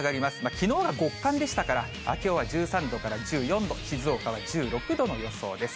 きのうが極寒でしたから、きょうは１３度から１４度、静岡は１６度の予想です。